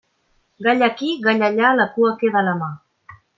Gall aquí, gall allà, la cua queda a la mà.